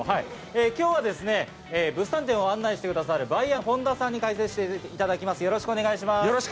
今日はですね、物産展を案内してくださるバイヤーの本田さんに解説していただきます、よろしくお願いします。